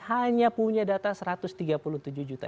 hanya punya data satu ratus tiga puluh tujuh juta